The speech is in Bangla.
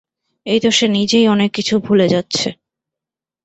এই তো সে নিজেই অনেক কিছু ভুলে যাচ্ছে।